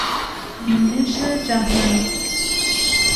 بینش جهانی